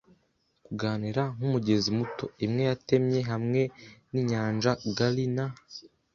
kuganira nkumugezi muto. Imwe yatemye hamwe ninyanja-gully na